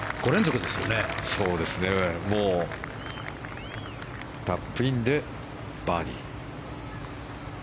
もうタップインでバーディー。